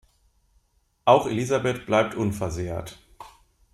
Auch Elisabeth bleibt unversehrt.